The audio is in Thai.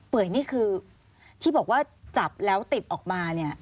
ยนี่คือที่บอกว่าจับแล้วติดออกมาเนี่ย